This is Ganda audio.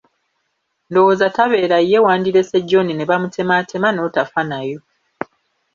Ndowooza tabeera ye wandirese John ne bamutemaatema n'otafanayo.